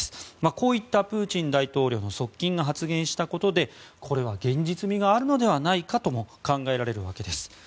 こういったプーチン大統領の側近が発言したことでこれは現実味があるのではないかとも考えられるわけです。